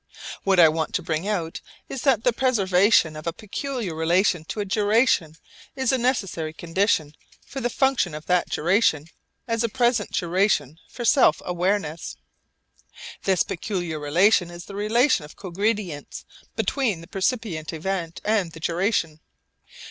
What I want to bring out is that the preservation of a peculiar relation to a duration is a necessary condition for the function of that duration as a present duration for sense awareness. This peculiar relation is the relation of cogredience between the percipient event and the duration.